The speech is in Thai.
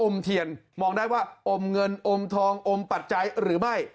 เทียนมองได้ว่าอมเงินอมทองอมปัจจัยหรือไม่